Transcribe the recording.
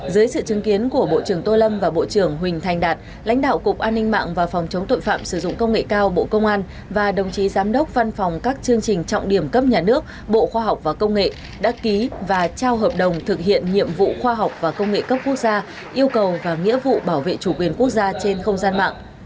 dưới sự chứng kiến của bộ trưởng tô lâm và bộ trưởng huỳnh thành đạt lãnh đạo cục an ninh mạng và phòng chống tội phạm sử dụng công nghệ cao bộ công an và đồng chí giám đốc văn phòng các chương trình trọng điểm cấp nhà nước bộ khoa học và công nghệ đã ký và trao hợp đồng thực hiện nhiệm vụ khoa học và công nghệ cấp quốc gia yêu cầu và nghĩa vụ bảo vệ chủ quyền quốc gia trên không gian mạng